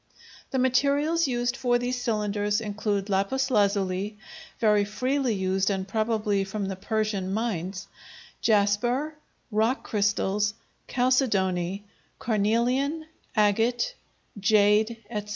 The materials used for these cylinders include lapis lazuli, very freely used and probably from the Persian mines, jasper, rock crystals, chalcedony, carnelian, agate, jade, etc.